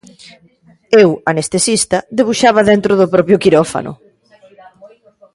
Eu, anestesista, debuxaba dentro do propio quirófano.